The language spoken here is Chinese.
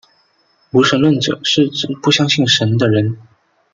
无神论者是指不相信神的人。